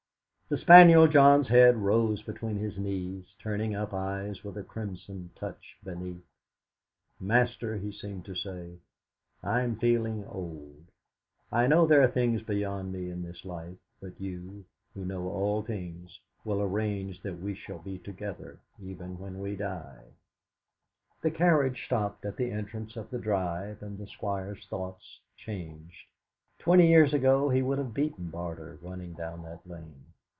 The spaniel John's head rose between his knees, turning up eyes with a crimson touch beneath. '.aster,' he seemed to say, 'I am feeling old. I know there are things beyond me in this life, but you, who know all things, will arrange that we shall be together even when we die.' The carriage stopped at the entrance of the drive, and the Squire's thoughts changed. Twenty years ago he would have beaten Barter running down that lane.